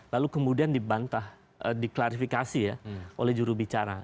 lalu kemudian dibantah diklarifikasi ya oleh jurubicara